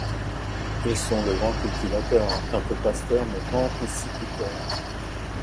Ils sont des grands cultivateurs, un peu pasteurs mais grands pisciculteurs.